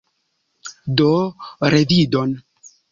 Do, revidon!